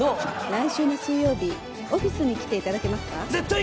来週の水曜日オフィスに来ていただけますか？